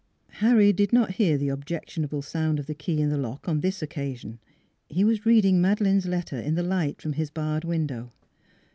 Harry did not hear the objectionable sound of the key in the lock on this occasion: he was read ing Madeleine's letter in the light from his barred window.